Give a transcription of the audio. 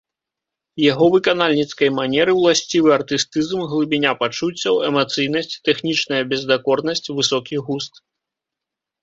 Яго выканальніцкай манеры ўласцівы артыстызм, глыбіня пачуццяў, эмацыйнасць, тэхнічная бездакорнасць, высокі густ.